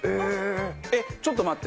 えっちょっと待って。